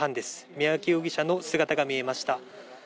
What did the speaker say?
三宅容疑者の姿が見えました。